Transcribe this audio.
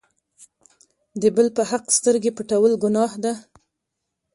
د بل په حق سترګې پټول ګناه ده.